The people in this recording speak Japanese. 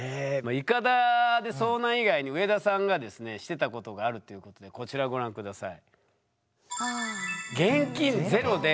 イカダで遭難以外に上田さんがですねしてたことがあるっていうことでこちらをご覧下さい。